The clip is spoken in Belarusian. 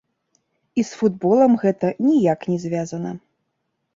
І з футболам гэта ніяк не звязана.